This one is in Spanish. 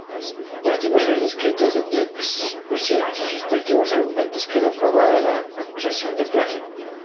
Tras diversos escritos donde expusieron sus respectivos argumentos, quedó probada la acusación de plagio.